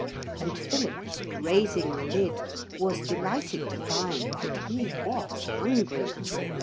And Philip, raising the lid, was delighted to find that he was hungry.